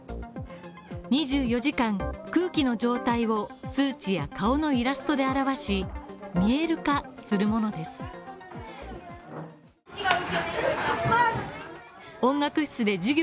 ２４時間空気の状態を数値や顔のイラストで表し、見える化するものです。